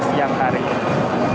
yang hari ini